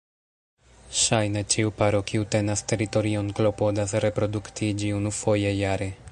Ŝajne ĉiu paro kiu tenas teritorion klopodas reproduktiĝi unufoje jare.